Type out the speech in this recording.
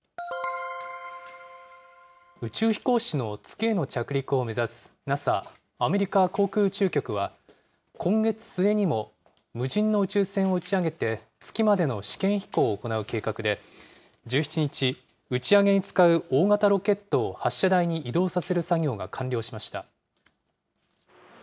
宇宙飛行士の月への着陸を目指すＮＡＳＡ・アメリカ航空宇宙局は、今月末にも無人の宇宙船を打ち上げて、月までの試験飛行を行う計画で、１７日、打ち上げに使う大型ロケットを発射台に移動させる作業が完了しました。